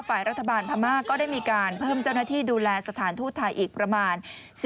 ฝ่ายรัฐบาลพม่าก็ได้มีการเพิ่มเจ้าหน้าที่ดูแลสถานทูตไทยอีกประมาณ